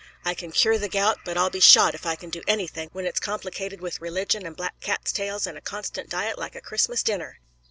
I can cure the gout, but I'll be shot if I can do anything when it's complicated with religion and black cats' tails and a constant diet like a Christmas dinner!"